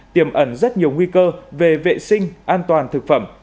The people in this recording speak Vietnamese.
tiềm ẩn rất nhiều nguy cơ về vệ sinh an toàn thực phẩm